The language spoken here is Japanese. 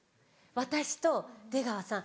私と出川さん